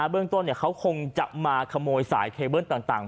เบื้องต้นเขาคงจะมาขโมยสายเคเบิ้ลต่าง